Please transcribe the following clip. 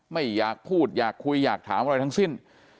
ไม่อยากพูดอยากคุยอยากถามอะไรทั้งสิ้น